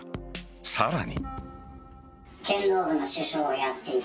さらに。